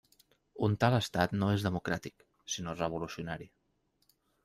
Un tal estat no és democràtic, sinó revolucionari.